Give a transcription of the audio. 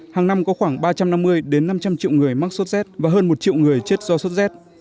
hàng năm có khoảng ba trăm năm mươi năm trăm linh triệu người mắc sốt z và hơn một triệu người chết do sốt z